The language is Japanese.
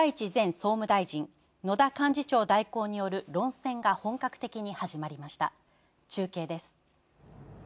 総務大臣野田幹事長代行による論戦が本格的に始まりました中継です。